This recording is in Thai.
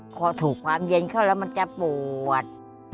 พอถูกความเย็นเข้าแล้วมันจะปวด